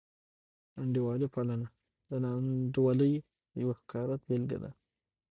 انډیوالي پالنه د ناانډولۍ یوه ښکاره بېلګه ده.